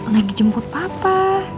lagi jemput papa